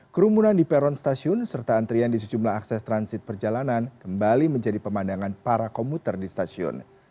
kerumunan di peron stasiun serta antrian di sejumlah akses transit perjalanan kembali menjadi pemandangan para komuter di stasiun